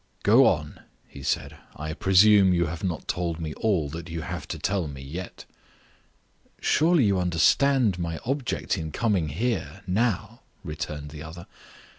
"Go on," he said. "I presume you have not told me all that you have to tell me, yet?" "Surely you understand my object in coming here, now?" returned the other.